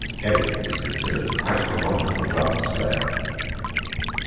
Eric is considered quite a wonderful draughts player."